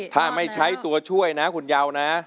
ถ้าไม่ใช้ตัวช่วยนะคุณยาวนะ